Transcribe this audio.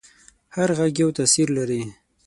هر غږ یو تاثیر لري.